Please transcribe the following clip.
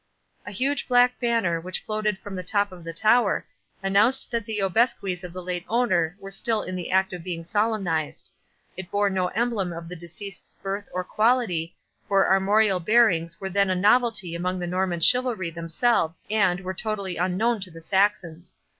A huge black banner, which floated from the top of the tower, announced that the obsequies of the late owner were still in the act of being solemnized. It bore no emblem of the deceased's birth or quality, for armorial bearings were then a novelty among the Norman chivalry themselves and, were totally unknown to the Saxons.